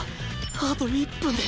あと１分で